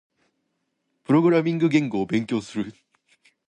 プログラミング言語を勉強する。